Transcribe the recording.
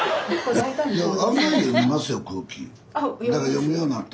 読むようになった。